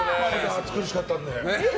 暑苦しかったので。